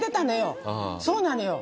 そうなのよ。